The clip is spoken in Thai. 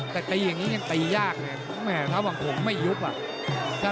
แต่ตีอย่างนี้ยังตียากไงแม่ถ้าวังผมไม่ยุบอ่ะ